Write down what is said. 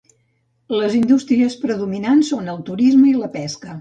Les indústries predominants són el turisme i la pesca.